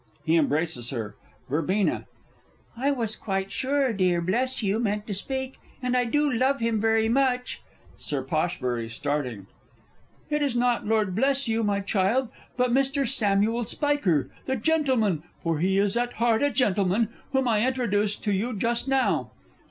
[He embraces her. Verb. I was quite sure dear Bleshugh meant to speak, and I do love him very much. Sir P. (starting). It is not Lord Bleshugh, my child, but Mr. Samuel Spiker, the gentleman (for he is at heart a gentleman) whom I introduced to you just now.